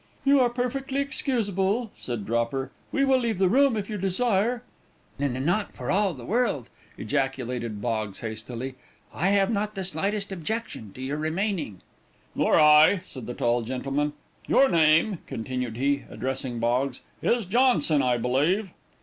"You are perfectly excusable," said Dropper. "We will leave the room, if you desire." "N n not for all the world," ejaculated Boggs, hastily. "I have not the slightest objection to your remaining." "Nor I," said the tall gentleman. "Your name," continued he, addressing Boggs, "is Johnson, I believe."